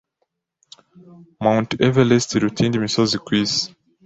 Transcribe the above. Mt. Everest iruta iyindi misozi kwisi.